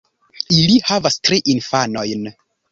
Ili havas tri infanojn.